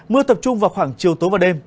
mưa tập trung vào khoảng chiều tối và đêm